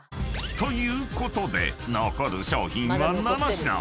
［ということで残る商品は７品］